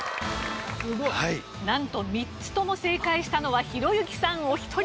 なんと３つとも正解したのはひろゆきさんお一人！